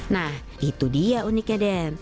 nah itu dia uniknya den